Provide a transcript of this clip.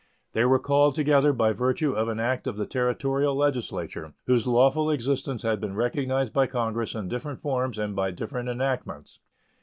They were called together by virtue of an act of the Territorial legislature, whose lawful existence had been recognized by Congress in different forms and by different enactments.